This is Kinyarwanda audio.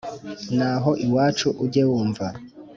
naho iwacu ujye wumva